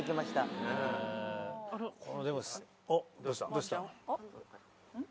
どうしたん？